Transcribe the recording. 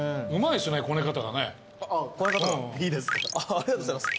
ありがとうございます。